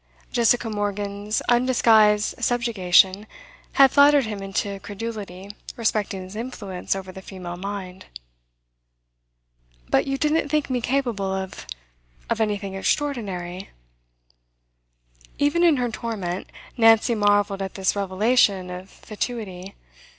Jessica Morgan's undisguised subjugation had flattered him into credulity respecting his influence over the female mind. 'But you didn't think me capable of of anything extraordinary?' Even in her torment, Nancy marvelled at this revelation of fatuity.